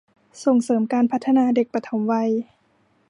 ส่งเสริมการพัฒนาเด็กปฐมวัย